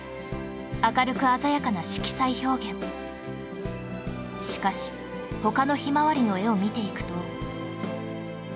明るく鮮やかな色彩表現しかし他のひまわりの絵を見ていくと